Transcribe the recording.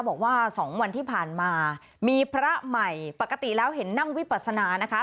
บอกว่า๒วันที่ผ่านมามีพระใหม่ปกติแล้วเห็นนั่งวิปัสนานะคะ